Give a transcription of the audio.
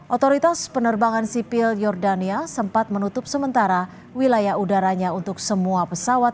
otoritas penerbangan sipil jordania sempat menutup sementara wilayah udaranya untuk semua pesawat